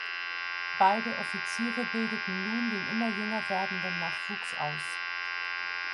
Beide Offiziere bildeten nun den immer jünger werdenden Nachwuchs aus.